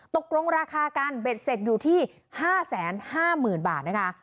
ตกลงราคากันเบ็ดเสร็จอยู่ที่๕๕๐๐๐บาทนะคะ